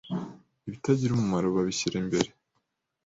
ibitagira umumaro babishyira imbere